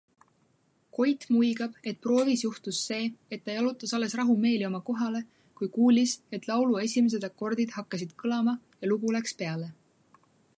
Koit muigab, et proovis juhtus see, et ta jalutas alles rahumeeli oma kohale, kui kuulis, et laulu esimesed akordid hakkasid kõlama ja lugu läks peale.